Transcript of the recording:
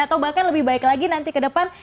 atau bahkan lebih baik lagi nanti ke depan